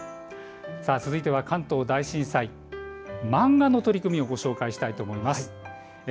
続いては関東大震災漫画の取り組みをご紹介したいと思います。